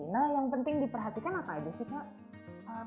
nah yang penting diperhatikan apa aja sih kak